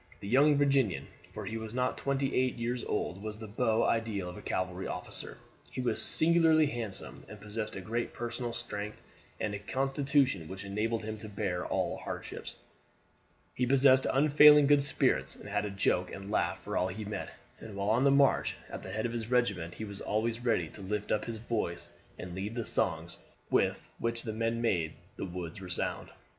The young Virginian for he was not yet twenty eight years old was the beau ideal of a cavalry officer. He was singularly handsome, and possessed great personal strength and a constitution which enabled him to bear all hardships. He possessed unfailing good spirits, and had a joke and laugh for all he met; and while on the march at the head of his regiment he was always ready to lift up his voice and lead the songs with which the men made the woods resound.